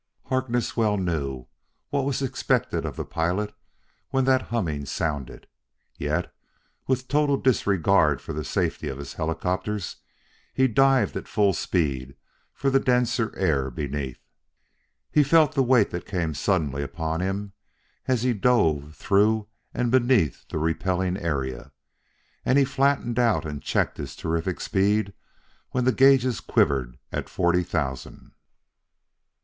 Harkness well knew what was expected of the pilot when that humming sounded; yet, with total disregard for the safety of his helicopters, he dived at full speed for the denser air beneath. He felt the weight that came suddenly upon him as he drove through and beneath the repelling area, and he flattened out and checked his terrific speed when the gauges quivered at forty thousand.